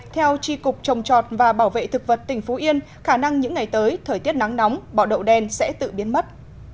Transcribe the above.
theo tri cục trồng chọt và bảo vệ thực vật tỉnh phú yên khả năng những ngày tới thời tiết nắng nóng bọ đậu đen sẽ tự biến mất